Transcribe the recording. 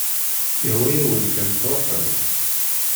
Ihwa-yawen kan truḥem.